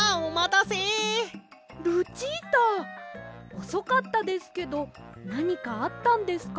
おそかったですけどなにかあったんですか？